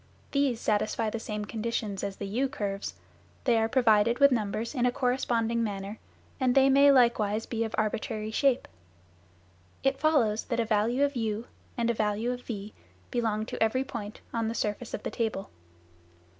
These satisfy the same conditions as the u curves, they are provided with numbers in a corresponding manner, and they may likewise be of arbitrary shape. It follows that a value of u and a value of v belong to every point on the surface of the table.